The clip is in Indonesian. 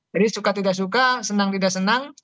jadi suka tidak suka senang tidak senang